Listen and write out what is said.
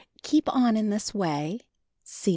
Keep on in this way (see No.